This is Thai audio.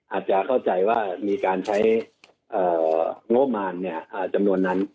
อาจจะเข้าใจว่ามีการใช้งบประมาณจำนวนนั้น